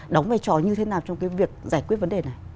đóng vai trò như thế nào trong cái việc giải quyết vấn đề này